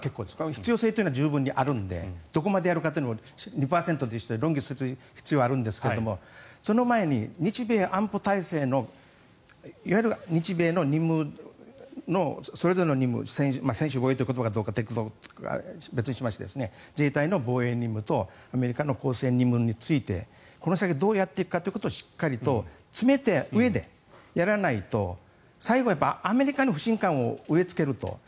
必要性というのは十分にあるのでどこまでやるかというのは２％というのと一緒に論議する必要はあるんですがその前に日米安保体制のいわゆる日米の任務それぞれの任務専守防衛というのがどうかというのは別として自衛隊の防衛任務とアメリカの抗戦義務についてこの先どうやっていくかをしっかり詰めたうえでやらないと最後、アメリカに不信感を植えつけると。